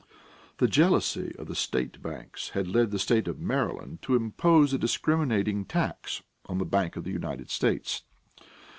The jealousy of the state banks had led the State of Maryland to impose a discriminating tax on the Bank of the United States.